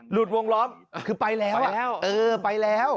หลุดวงล้อมคือไปแล้วไปแล้ว